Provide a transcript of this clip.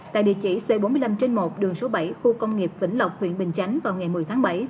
tại địa chỉ c bốn mươi năm trên một đường số bảy khu công nghiệp vĩnh lộc huyện bình chánh vào ngày một mươi tháng bảy